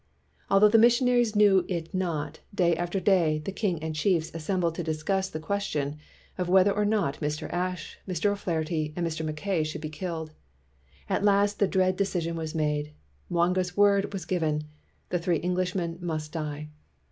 Although the missionaries knew it not, day after day, the king and chiefs as sembled to discuss the question whether or not Mr. Ashe, Mr. O 'Flaherty, and Mr. Mackay should be killed. At last the dread decision was made, Mwanga's word was given. The three Englishmen must die.